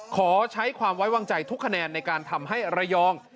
ขอใช้ความไว้วางใจทุกคะแนนในการทำให้ระยอง